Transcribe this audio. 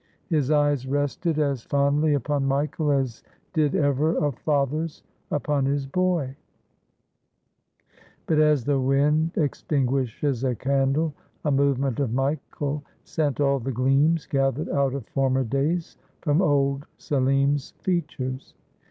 — His eyes rested as fondly upon Michael as did ever a father's upon his boy. 498 THE LITTLE JANIZARY But as the wind extinguishes a candle, a movement of Michael sent all the gleams gathered out of former days from old Selim's features.